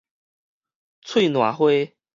喙瀾花